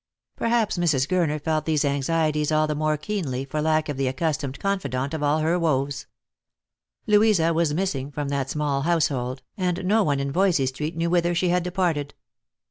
Perhaps Mrs. Gurner felt these anxieties all the more keenly for lack of the accustomed confidante of all her woes. Louisa was missing from that small household, and no one in Yoysey 264 Lost for Love. street knew whither she had departed.